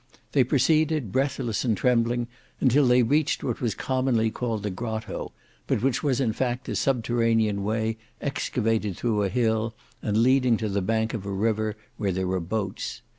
They proceeded breathless and trembling, until they reached what was commonly called the Grotto, but which was in fact a subterranean way excavated through a hill and leading to the bank of a river where there were boats.